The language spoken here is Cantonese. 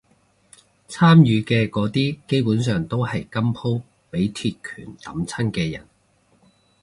參與嘅嗰啲基本上都係今鋪畀鐵拳揼親嘅人